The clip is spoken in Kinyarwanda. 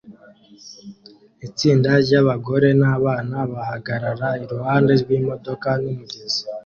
Itsinda ry'abagore n'abana bahagarara iruhande rw'imodoka n'umugezi